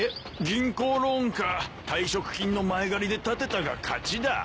銀行ローンか退職金の前借りで建てたが勝ちだ。